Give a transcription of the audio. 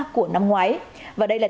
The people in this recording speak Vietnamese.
hai mươi ba của năm ngoái và đây là